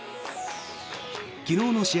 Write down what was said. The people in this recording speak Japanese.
昨日の試合